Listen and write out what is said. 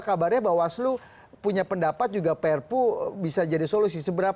kabarnya bahwa aslo punya pendapat juga perku bisa jadi solusi